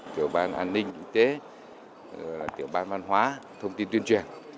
tiểu ban an ninh tiểu ban văn hóa thông tin tuyên truyền